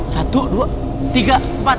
satu dua tiga empat